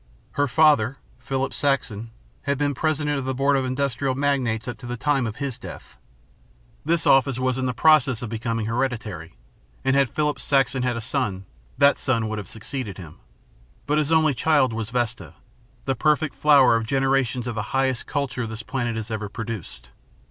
Her father, Philip Saxon, had been President of the Board of Industrial Magnates up to the time of his death. This office was in process of becoming hereditary, and had Philip Saxon had a son that son would have succeeded him. But his only child was Vesta, the perfect flower of generations of the highest culture this planet has ever produced.